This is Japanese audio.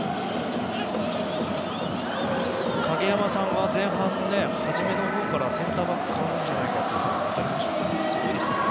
影山さんは前半初めのほうからセンターバックが代わるんじゃないかと予想していましたがすごいですね。